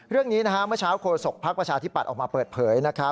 เรื่องนี้เมื่อเช้าโฆษกพักประชาธิปัตย์ออกมาเปิดเผย